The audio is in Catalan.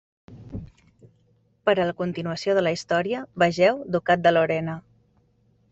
Per a la continuació de la història vegeu Ducat de Lorena.